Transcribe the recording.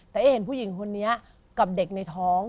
แต่เห็นผู้หญิงคนนี้กับเด็กในท้อง